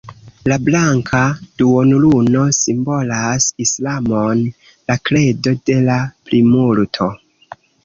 La blanka duonluno simbolas islamon, la kredo de la plimulto.